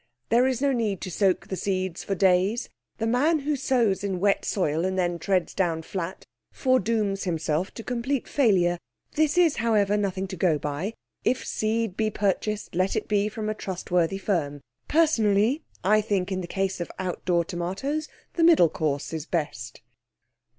There's no need to soak the seeds for days. The man who sows in wet soil and then treads down flat foredooms himself to complete failure. This is, however, nothing to go by. If seed be purchased let it be from a trustworthy firm. Personally, I think in the case of outdoor tomatoes the middle course is best.